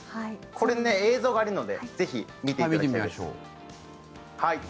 これ、映像があるのでぜひ見ていただきましょう。